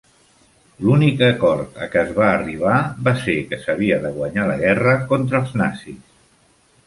L'únic acord a què es va arribar va ser que s'havia de guanyar la guerra contra els nazis.